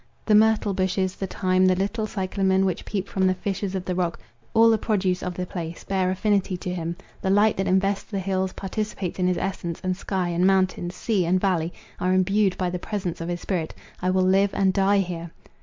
The myrtle bushes, the thyme, the little cyclamen, which peep from the fissures of the rock, all the produce of the place, bear affinity to him; the light that invests the hills participates in his essence, and sky and mountains, sea and valley, are imbued by the presence of his spirit. I will live and die here!